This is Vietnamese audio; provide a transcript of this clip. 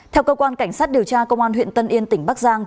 theo cơ quan cảnh sát điều tra công an huyện tân yên tỉnh bắc giang